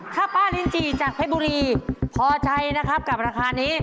ถ้าป้าลินจีจากเพชรบุรีพอใจนะครับกับราคานี้